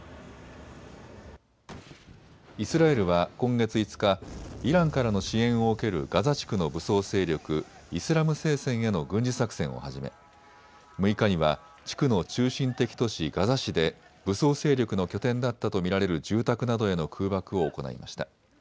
イスラエルは今月５日イランからの支援を受けるガザ地区の武装勢力イスラム聖戦への軍事作戦を始め６日には地区の中心的都市ガザ市で武装勢力の拠点だったと見られる住宅などへの空爆を行いました。